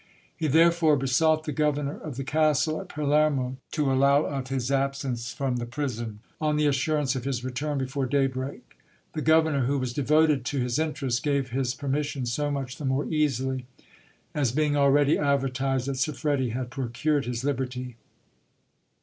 He therefore besought the governor of the castle at Palermo to allow of his absence from the prison, on the assurance of his return before daybreak. The governor, who was devoted to his interest, gave his permission so much the more easily, as being already advertised that Siffredi had procured his liberty.